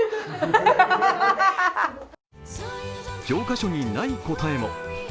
教科書にない答えも。